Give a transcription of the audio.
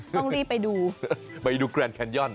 ต้องรีบไปดูไปดูแกรนแคนย่อน